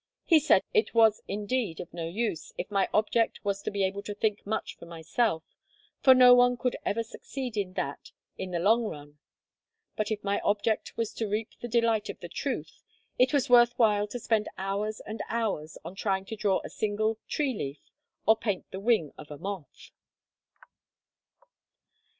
He said it was indeed of no use, if my object was to be able to think much of myself, for no one could ever succeed in that in the long run; but if my object was to reap the delight of the truth, it was worth while to spend hours and hours on trying to draw a single tree leaf, or paint the wing of a moth.